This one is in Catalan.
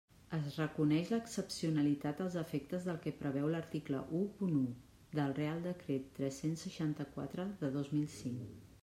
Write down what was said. Es reconeix l'excepcionalitat als efectes del que preveu l'article u punt u del Reial Decret tres-cents seixanta-quatre de dos mil cinc.